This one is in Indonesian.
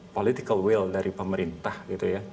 political will dari pemerintah gitu ya